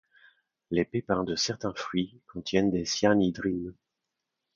Les pépins de certains fruits contiennent des cyanhydrines.